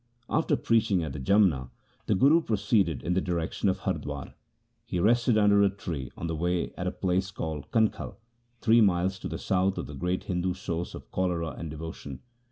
After preaching at the Jamna the Guru proceeded in the direction of Hardwar. He rested under a tree on the way at a place called Kankhal, three miles to the south of the great Hindu source of cholera and devotion.